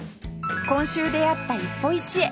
今週出会った一歩一会